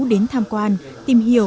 đến tham quan tìm hiểu